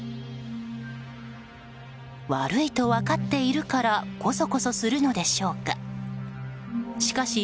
悪いと分かっているからこそこそするのでしょうか。